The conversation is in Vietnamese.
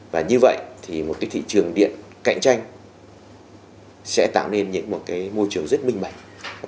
và như vậy thì một thị trường điện cạnh tranh sẽ tạo nên một môi trường rất minh mạnh